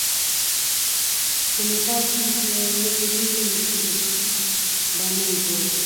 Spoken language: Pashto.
که د نېپال ښځې نه وای راغلې، نو قبر به نه وو جوړ.